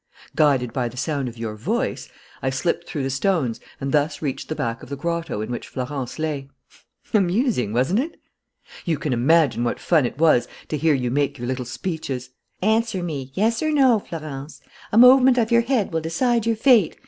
"Guided by the sound of your voice, I slipped through the stones and thus reached the back of the grotto in which Florence lay. Amusing, wasn't it? "You can imagine what fun it was to hear you make your little speeches: 'Answer me, yes or no, Florence. A movement of your head will decide your fate.